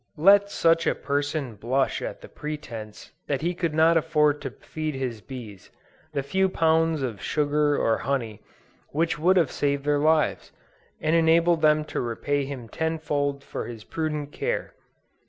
Let such a person blush at the pretence that he could not afford to feed his bees, the few pounds of sugar or honey, which would have saved their lives, and enabled them to repay him tenfold for his prudent care.